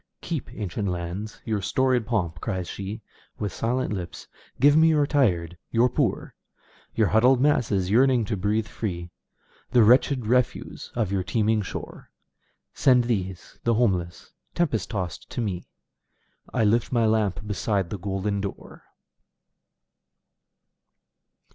"Keep, ancient lands, your storied pomp!" cries sheWith silent lips. "Give me your tired, your poor, Your huddled masses yearning to breathe free, The wretched refuse of your teeming shore. Send these, the homeless, tempest tost to me,I lift my lamp beside the golden door!"